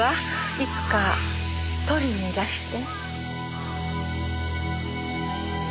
いつか取りにいらして。